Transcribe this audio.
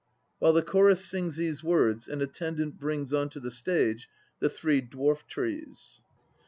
(While the CHORUS sings these words an ATTENDANT brings on to the stage the three dwarf trees.)